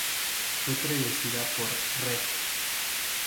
Fue precedida por "Rev.